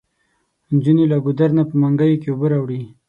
انجونې له ګودر نه په منګيو کې اوبه راوړي.